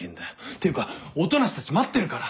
ていうか音無たち待ってるから。